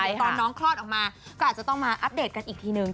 แต่ตอนน้องคลอดออกมาก็อาจจะต้องมาอัปเดตกันอีกทีนึง